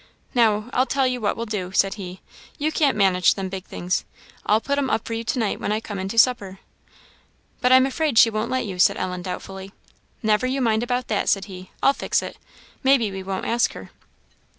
"Now, I'll tell you what we'll do," said he; "you can't manage them big things; I'll put 'em up for you to night when I come in to supper." "But I'm afraid she won't let you," said Ellen, doubtfully. "Never you mind about that," said he, "I'll fix it. Maybe we won't ask her."